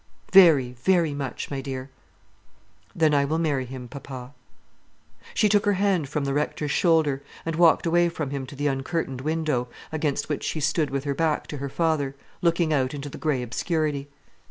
"Very, very much, my dear." "Then I will marry him, papa." She took her hand from the Rector's shoulder, and walked away from him to the uncurtained window, against which she stood with her back to her father, looking out into the grey obscurity.